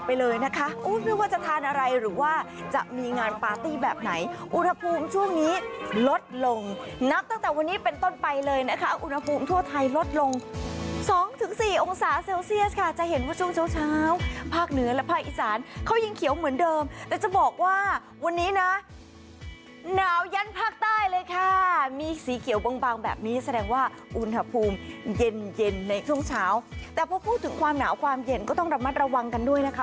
ไทยโหไทยโหไทยโหไทยโหไทยโหไทยโหไทยโหไทยโหไทยโหไทยโหไทยโหไทยโหไทยโหไทยโหไทยโหไทยโหไทยโหไทยโหไทยโหไทยโหไทยโหไทยโหไทยโหไทยโหไทยโหไทยโหไทยโหไทยโหไทยโหไทยโหไทยโหไทยโหไทยโหไทยโหไทยโหไทยโหไทยโห